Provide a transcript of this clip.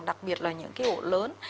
đặc biệt là những cái ổ lớn